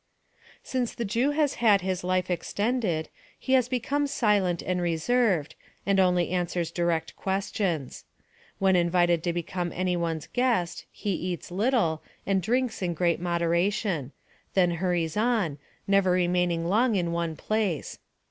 "Since the Jew has had his life extended, he has become silent and reserved, and only answers direct questions. When invited to become any one's guest, he eats little, and drinks in great moderation; then hurries on, never remaining long in one place.